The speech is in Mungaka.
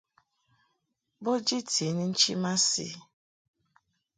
Bo jiti ni nchi masi.